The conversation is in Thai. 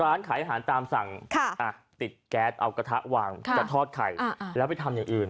ร้านขายอาหารตามสั่งติดแก๊สเอากระทะวางจะทอดไข่แล้วไปทำอย่างอื่น